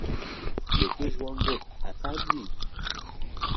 Yekê ji wan got: Efendî!